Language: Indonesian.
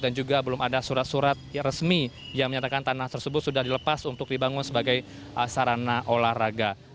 dan juga belum ada surat surat resmi yang menyatakan tanah tersebut sudah dilepas untuk dibangun sebagai sarana olahraga